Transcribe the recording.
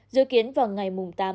dự kiến vào ngày tám một mươi một